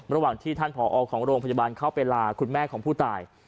ระหว่างที่ท่านผอของโรงพยาบาลเข้าไปลาคุณแม่ของผู้ตาย